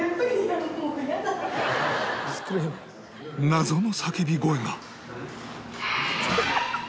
謎の叫び声が